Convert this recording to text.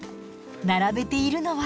並べているのは。